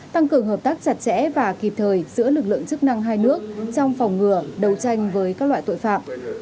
tăng cường hợp tác chặt chẽ và kịp thời giữa lực lượng chức năng hai nước trong phòng ngừa đấu tranh với các loại tội phạm